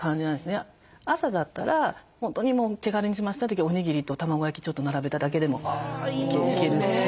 朝だったら本当にもう手軽に済ませたい時はおにぎりと卵焼きちょっと並べただけでもいけるし。